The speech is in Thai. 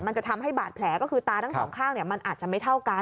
จะทำให้บาดแผลก็คือตาทั้งสองข้างมันอาจจะไม่เท่ากัน